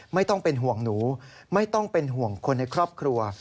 ไม่ต้องเป็นห่วงหนูไม่ต้องเป็นห่วงคนในครอบครัว